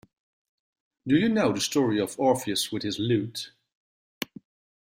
Do you know the story of Orpheus with his lute?